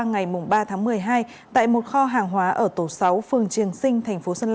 ngày ba tháng một mươi hai tại một kho hàng hóa ở tổ sáu phường triền sinh